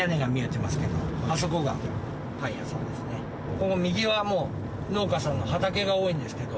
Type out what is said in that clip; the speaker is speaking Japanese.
この右はもう農家さんの畑が多いんですけど。